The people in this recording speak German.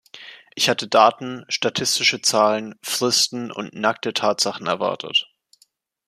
Ich hatte Daten, statistische Zahlen, Fristen und nackte Tatsachen erwartet.